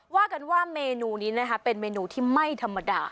ว่ากันว่าเมนูนี้นะคะเป็นเมนูที่ไม่ธรรมดา